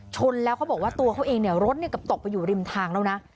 ชนแล้วเขาบอกว่าตัวเขาเองเนี่ยรถก็ตกไปอยู่ริมทางแล้วนะ